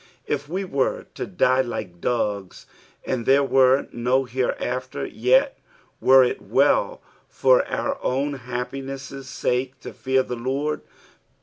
If we were to die like dogs, and there were no hereafter, yet were it well for our own happiness' sake to fear the Lord.